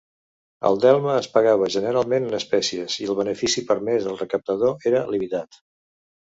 El delme es pagava generalment en espècies i el benefici permès al recaptador era limitat.